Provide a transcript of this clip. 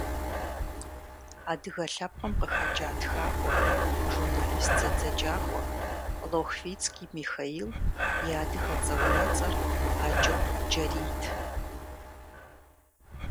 Адыгэ лъэпкъым къыхэкӀа тхакӏуэ, журнэлист, зэдзэкӏакӏуэ Лохвицкий Михаил и адыгэцӏэ-унэцӏэр Аджыкъу Джэрийт.